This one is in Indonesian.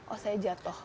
oh saya jatuh